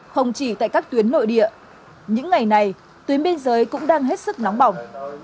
không chỉ tại các tuyến nội địa những ngày này tuyến biên giới cũng đang hết sức nóng bỏng